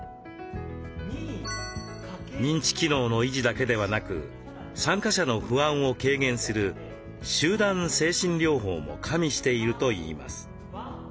認知機能の維持だけではなく参加者の不安を軽減する集団精神療法も加味しているといいます。